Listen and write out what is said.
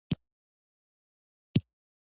ما وې يو څه کښښونه به وکړم.